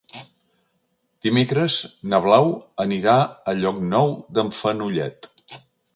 Dimecres na Blau anirà a Llocnou d'en Fenollet.